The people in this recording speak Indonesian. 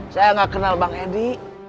saya nggak kenal bang edi